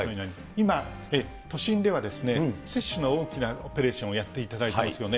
今、都心では接種の大きなオペレーションをやっていただいてますよね。